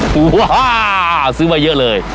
ว้าซื้อมาเยอะเลย